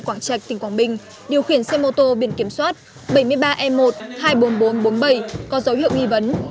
quảng trạch tỉnh quảng bình điều khiển xe mô tô biển kiểm soát bảy mươi ba e một hai mươi bốn nghìn bốn trăm bốn mươi bảy có dấu hiệu nghi vấn